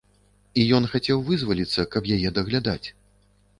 І ён хацеў вызваліцца, каб яе даглядаць.